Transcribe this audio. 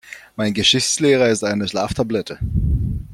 Mein Geschichtslehrer ist eine Schlaftablette.